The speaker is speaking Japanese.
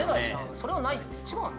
それはないよね